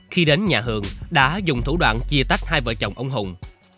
khi đến nhà hường đã dùng thủ đoạn chia tách hai vợ chồng ông hùng